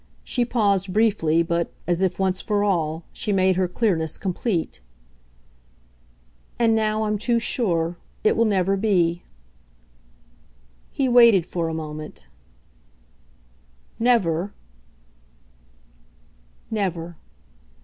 She paused briefly, but, as if once for all, she made her clearness complete. "And now I'm too sure. It will never be." He waited for a moment. "Never?" "Never."